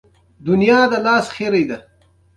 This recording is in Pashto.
کندهار د افغان کلتور په داستانونو کې راځي.